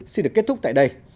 xin được kết thúc tại đây